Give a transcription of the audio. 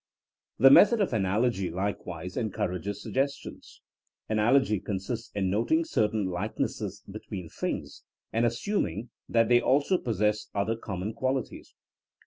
The method of analogy likewise encourages suggestions. Analogy consists in noting cer tain likenesses between things, and assuming that they also possess other common qualities.